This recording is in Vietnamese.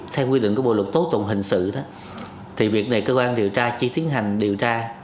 theo quy định của bộ luật tố tụng hình sự thì việc này cơ quan điều tra chỉ tiến hành điều tra